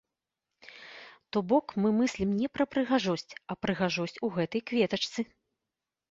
То бок мы мыслім не пра прыгажосць, а прыгажосць у гэтай кветачцы.